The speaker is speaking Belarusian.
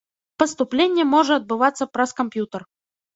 Паступленне можа адбывацца праз камп'ютар.